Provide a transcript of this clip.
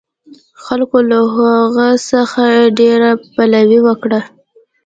خلکو له هغه څخه ډېره پلوي وکړه.